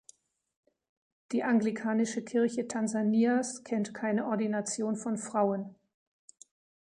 Die anglikanische Kirche Tansanias kennt keine Ordination von Frauen.